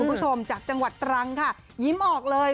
คุณผู้ชมจากจังหวัดตรังค่ะยิ้มออกเลย